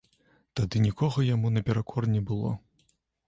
Тады нікога яму наперакор не было.